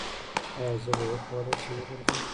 ایا زه به وکولی شم وګرځم؟